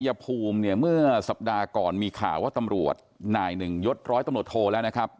ยภูมิเนี่ยเมื่อสัปดาห์ก่อนมีข่าวว่าตำรวจนายหนึ่งยดร้อยตำรวจโทแล้วนะครับ